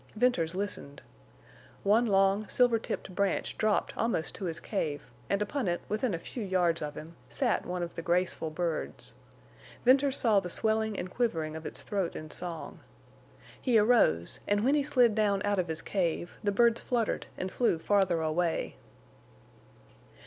Venters listened. One long, silver tipped branch dropped almost to his cave, and upon it, within a few yards of him, sat one of the graceful birds. Venters saw the swelling and quivering of its throat in song. He arose, and when he slid down out of his cave the birds fluttered and flew farther away.